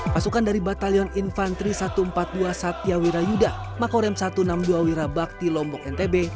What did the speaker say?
pasukan dari batalion infanteri satu ratus empat puluh dua satya wira yuda makorem satu ratus enam puluh dua wira bakti lombok ntb